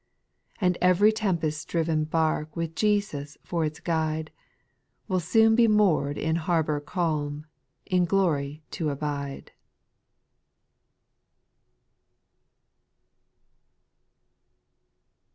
8. And ev'ry tempest driven bark With Jesus for its guide, Will soon be moor'd in harbour calm, In glory to abide.